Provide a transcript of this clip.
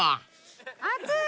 暑い。